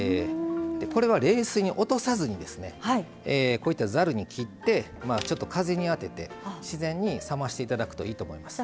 これは冷水に落とさずにざるに切って風に当てて自然に冷ましていただくといいと思います。